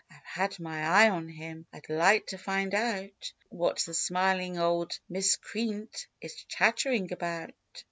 I've had my eye on him ; I'd like to find out What the smiling old miscreant is chattering about."